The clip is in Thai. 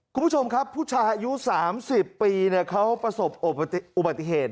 คุณผู้ชมครับผู้ชายอายุ๓๐ปีเขาประสบอุบัติเหตุ